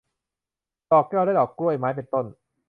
ดอกแก้ว และดอกกล้วยไม้ เป็นต้น